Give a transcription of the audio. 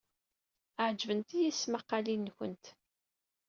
Ɛejbent-iyi tesmaqqalin-nwent.